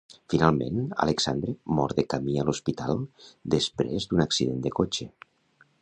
Finalment, Alexandre mor de camí a l'hospital després d'un accident de cotxe.